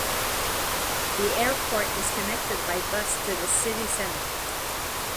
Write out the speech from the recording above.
The airport is connected by bus to the city center.